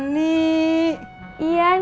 nggak ada apaan